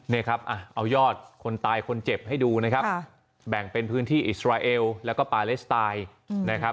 นี่ครับเอายอดคนตายคนเจ็บให้ดูนะครับแบ่งเป็นพื้นที่อิสราเอลแล้วก็ปาเลสไตล์นะครับ